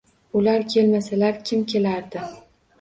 Ular kelmasalar kim kelardi.